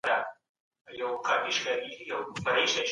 که کيسه غمجنه وي نو انسان ژړوي.